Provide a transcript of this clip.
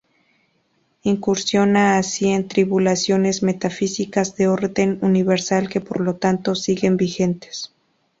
Incursiona así en tribulaciones metafísicas de orden universal que por lo tanto siguen vigentes.